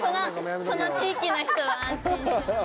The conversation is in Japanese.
その地域の人は安心する。